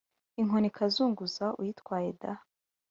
inkoni ikazungaguza uyitwaje da!